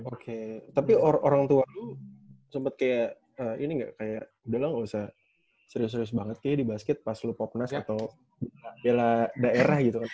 oke tapi orang tua lu sempet kayak ini nggak kayak udah lah nggak usah serius serius banget kayaknya di basket pas lu popnas atau dbl daerah gitu kan